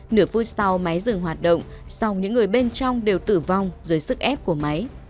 nửa phút sau máy dừng hoạt động song những người bên trong đều tử vong dưới sức ép của máy